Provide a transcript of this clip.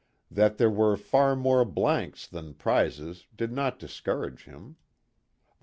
That there .were far more blanks than prizes did not discourage him ; the 30 KIT CARSON.